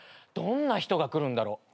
どんな人が来るんだろ。